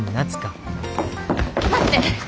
待って。